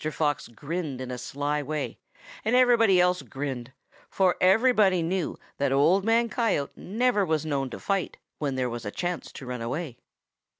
Fox grinned in a sly way, and everybody else grinned, for everybody knew that Old Man Coyote never was known to fight when there was a chance to run away.